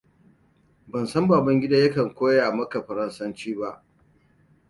Ban san Babangida yakan koya maka farazanci.